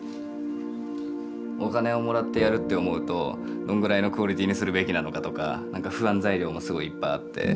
お金をもらってやるって思うとどんぐらいのクオリティーにするべきなのかとか何か不安材料もすごいいっぱいあって。